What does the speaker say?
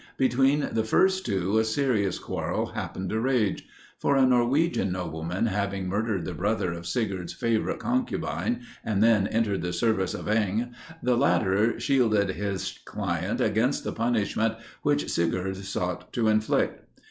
Between the first two, a serious quarrel happened to rage. For a Norwegian nobleman having murdered the brother of Sigurd's favourite concubine, and then entered the service of Inge, the latter shielded his client against the punishment which Sigurd sought to inflict.